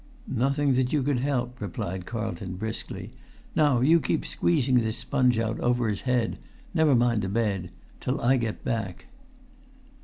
"Nothing that you could help," replied Carlton, briskly. "Now you keep squeezing this sponge out over his head—never mind the bed—till I get back."